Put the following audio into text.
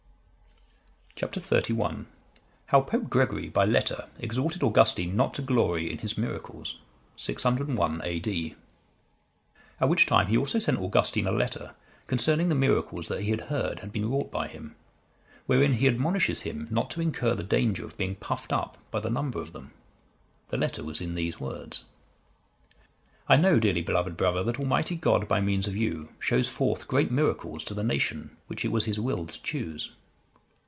Chap. XXXI. How Pope Gregory, by letter, exhorted Augustine not to glory in his miracles. [601 A.D.] At which time he also sent Augustine a letter concerning the miracles that he had heard had been wrought by him; wherein he admonishes him not to incur the danger of being puffed up by the number of them. The letter was in these words: "I know, dearly beloved brother, that Almighty God, by means of you, shows forth great miracles to the nation which it was His will to choose.